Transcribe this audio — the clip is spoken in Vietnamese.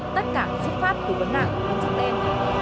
tất cả xuất phát từ vấn nạn của tín dục đen